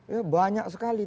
ya banyak sekali